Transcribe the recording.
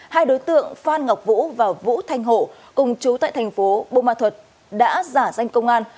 hai đối tượng phan ngọc vũ và vũ thanh hộ cùng chú tại thành phố bô ma thuật đã giả danh công an